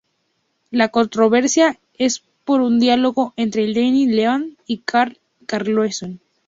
La controversia es por un diálogo entre Lenny Leonard y Carl Carlson.